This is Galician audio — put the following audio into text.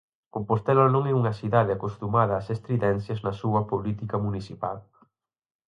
Compostela non é unha cidade acostumada ás estridencias na súa política municipal.